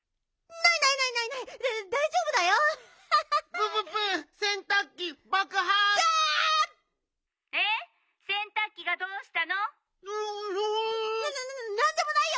なっなんでもないよ！